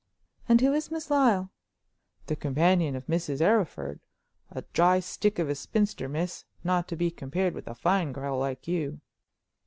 "And who is Miss Lyle?" "The companion of Mrs. Arryford. A dry stick of a spinster, miss; not to be compared with a fine girl like you."